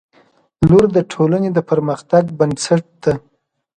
• لور د ټولنې د پرمختګ بنسټ ده.